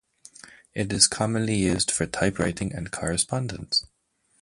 It is commonly used for typewriting and correspondence.